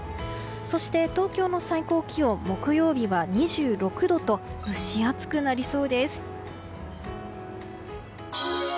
そして、東京の最高気温木曜日は２６度と蒸し暑くなりそうです。